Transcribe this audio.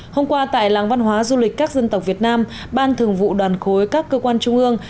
hôm qua tại làng văn hóa du lịch các dân tộc việt nam ban thường vụ đoàn khối các cơ quan trung ương